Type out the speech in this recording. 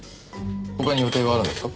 他に予定があるんですか？